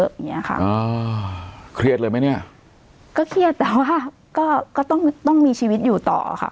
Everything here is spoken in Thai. อย่างเงี้ยค่ะอ่าเครียดเลยไหมเนี่ยก็เครียดแต่ว่าก็ก็ต้องต้องมีชีวิตอยู่ต่อค่ะ